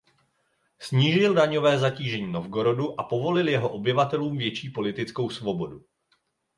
Snížil daňové zatížení Novgorodu a povolil jeho obyvatelům větší politickou svobodu.